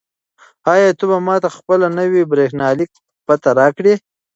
آیا ته به ماته خپله نوې بریښنالیک پته راکړې؟